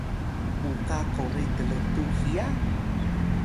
uka kori tltu hiya?